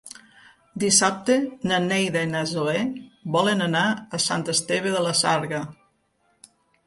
Dissabte na Neida i na Zoè volen anar a Sant Esteve de la Sarga.